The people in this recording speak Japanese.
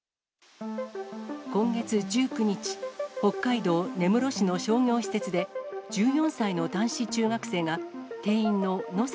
今月１９日、北海道根室市の商業施設で、１４歳の男子中学生が、店員の野坂